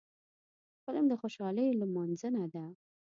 فلم د خوشحالیو لمانځنه ده